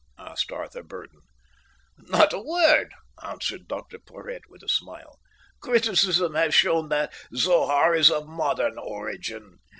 asked Arthur Burdon. "Not a word," answered Dr Porhoët, with a smile. "Criticism has shown that Zohar is of modern origin.